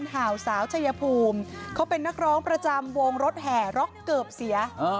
ข่าวสาวชายภูมิเขาเป็นนักร้องประจำวงรถแห่ร็อกเกือบเสีย